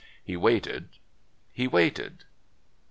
He waited. He waited.